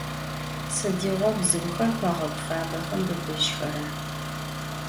Sıdiğo bzıuxer xeğegu fabexem bıbıjxera?